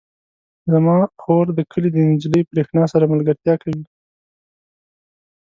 زما خور د کلي د نجلۍ برښنا سره ملګرتیا کوي.